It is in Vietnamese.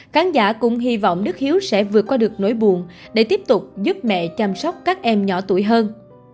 khán giả cũng hy vọng đức hiếu sẽ vượt qua được nỗi buồn để tiếp tục giúp mẹ chăm sóc các em nhỏ tuổi hơn